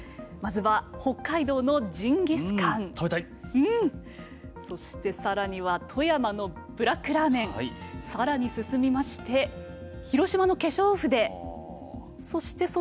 まずは北海道のジンギスカンそしてさらには富山のブラックラーメンさらに進みまして広島の化粧筆そして